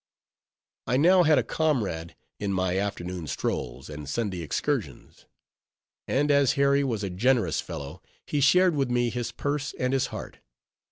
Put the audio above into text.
I now had a comrade in my afternoon strolls, and Sunday excursions; and as Harry was a generous fellow, he shared with me his purse and his heart.